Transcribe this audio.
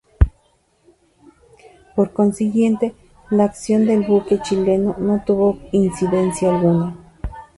Por consiguiente, la acción del buque chileno no tuvo incidencia alguna.